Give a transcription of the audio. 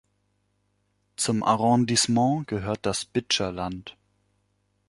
Zum Arrondissement gehört das "Bitscher Land".